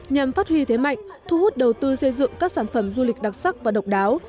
nhằm phát huy thế mạnh thu hút đầu tư xây dựng các sản phẩm du lịch đặc sắc và độc đáo